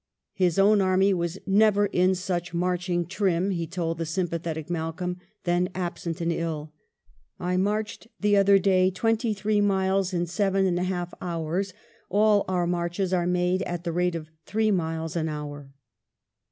His own army was " never in such marching trim," he told the sjrmpathetic Malcolm, then absent and ill :" I marched the other day twenty three miles in seven and a half hours; all our marches are now made at the rate of three miles an hour."